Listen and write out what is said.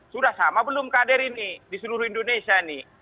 sudah sama belum kadir ini di seluruh indonesia